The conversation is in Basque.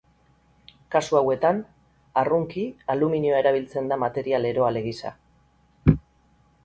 Kasu hauetan arrunki aluminioa erabiltzen da material eroale gisa.